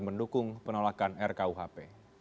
mendukung penolakan rkuhp